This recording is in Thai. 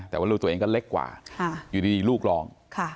แต่ว่าลูกตัวเองก็เล็กกว่าอยู่ดีลูกลอง